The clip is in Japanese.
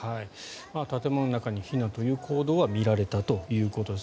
建物の中に避難という行動は見られたということです。